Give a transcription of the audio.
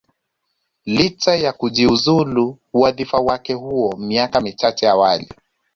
licha ya kujiuzulu wadhifa wake huo miaka michache awali